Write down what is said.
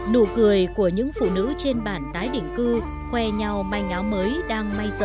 nụ cười của những phụ nữ trên bản tái định cư khoe nhau manh áo mới đang may dở